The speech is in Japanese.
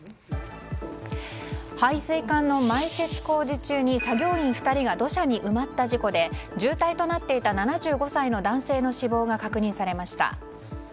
配水管の埋設工事中に作業員２人が土砂に埋まった事故で重体となっていた７５歳の男性の死亡が確認されました。